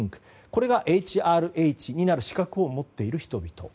これがＨＲＨになる資格を持っている人々。